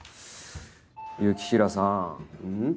雪平さん。